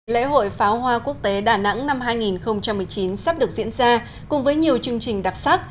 lễ hội pháo hoa quốc tế đà nẵng năm hai nghìn một mươi chín sắp được diễn ra cùng với nhiều chương trình đặc sắc